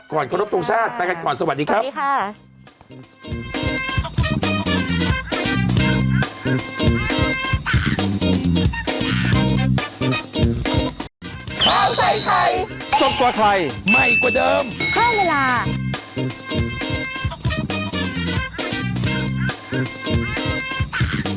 ขอรบทรงชาติไปกันก่อนสวัสดีครับสวัสดีค่ะ